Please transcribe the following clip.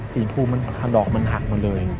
สีอินพูมันหลอกมันหักมาเลย